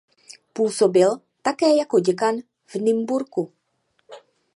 Působil také jako děkan v Nymburku.